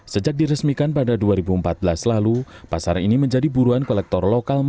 sejak diresmikan pada dua ribu empat belas lalu pasar ini menjadi buruan kolektor lokal